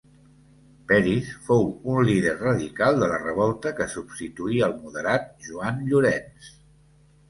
Peris fou un líder radical de la revolta que substituí el moderat Joan Llorenç.